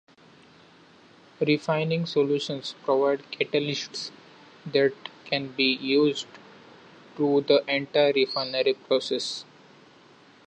Refining Solutions provides catalysts that can be used through the entire refinery process.